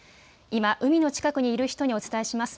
今、海の近くにいる人にお伝えします。